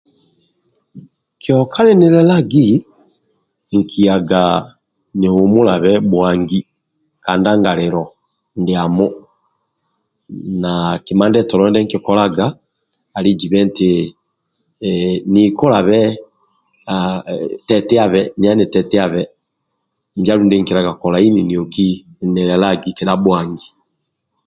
Kioka ninilelagi kiaga nihumulabe bhuangi ka ndangalilo ndiamo na kima ndietolo ndie nkikolaga nkikyaga ni tetiabe injo andulu ndie nkikolaga kioka ninilelagi kedha bhuangi